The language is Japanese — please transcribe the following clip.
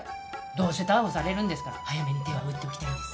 どうせ逮捕されるんですから早めに手は打っておきたいんです。